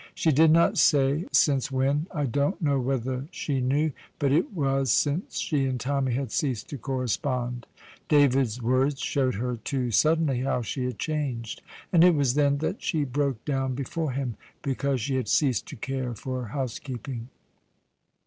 She did not say since when. I don't know whether she knew; but it was since she and Tommy had ceased to correspond. David's words showed her too suddenly how she had changed, and it was then that she broke down before him because she had ceased to care for housekeeping.